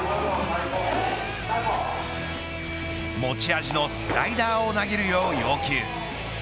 持ち味のスライダーを投げるよう要求。